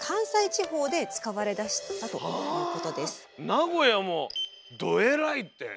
名古屋も「どえらい」って。